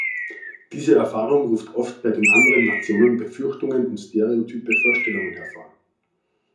Diese Erfahrung ruft oft bei den anderen Nationen Befürchtungen und stereotype Vorstellungen hervor.